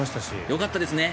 よかったですね。